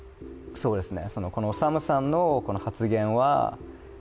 そうですね。